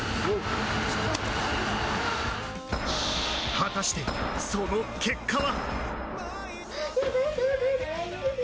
果たして、その結果は。